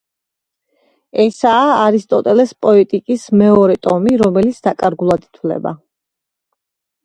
ესაა არისტოტელეს „პოეტიკის“ მეორე ტომი, რომელიც დაკარგულად ითვლება.